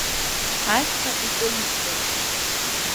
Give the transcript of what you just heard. Ашьха икылицоит.